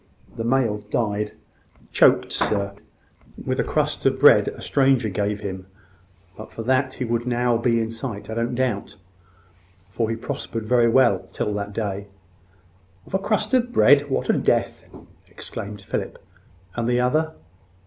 "The male died; choked, sir, with a crust of bread a stranger gave him. But for that, he would have been now in sight, I don't doubt; for he prospered very well till that day." "Of a crust of bread! What a death!" exclaimed Philip. "And the other?"